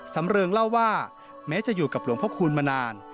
เริงเล่าว่าแม้จะอยู่กับหลวงพระคูณมานาน